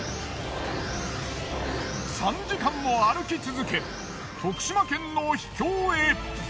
３時間も歩き続け徳島県の秘境へ。